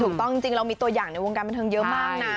ถูกต้องจริงเรามีตัวอย่างในวงการบันเทิงเยอะมากนะ